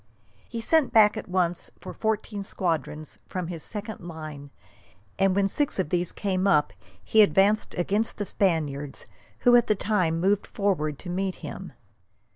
He sent back at once for fourteen squadrons from his second line, and when six of these came up he advanced against the Spaniards, who at the same time moved forward to meet him.